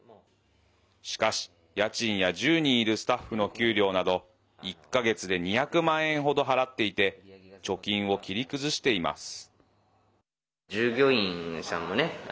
しかし、家賃や１０人いるスタッフの給料など１か月で２００万円ほど払っていて貯金を切り崩しています。